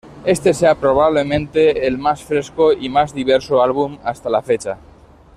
Este sea probablemente el más fresco y más diverso álbum hasta la fecha.